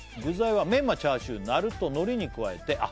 「具材はメンマチャーシューなるとのりに加えて」